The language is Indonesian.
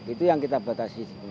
itu yang kita batasi